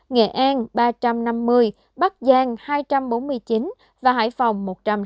nghệ an ba trăm năm mươi bắc giang hai trăm bốn mươi chín và hải phòng một trăm sáu mươi